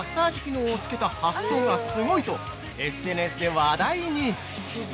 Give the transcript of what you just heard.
そこにマッサージ機能をつけた発想がすごいとＳＮＳで話題に！